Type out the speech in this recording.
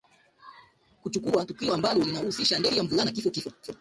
Kuchukua tukio ambalo lilihusisha ndege kumtia mvulana kifo kifo